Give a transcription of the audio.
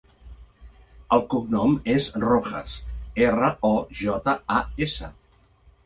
El cognom és Rojas: erra, o, jota, a, essa.